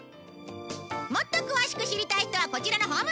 もっと詳しく知りたい人はこちらのホームページへ！